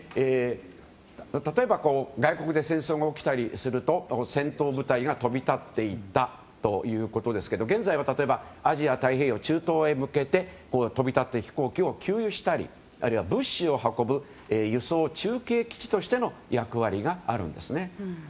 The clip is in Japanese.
例えば外国で戦争が起きたりすると戦闘部隊が飛び立っていったということですけど現在は例えば、アジア太平洋、中東へ向けて飛び立っていく飛行機を給油したりあるいは物資を運ぶ輸送中継基地としての役割があるんですね。